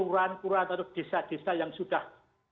aturan aturan atau desa desa yang sudah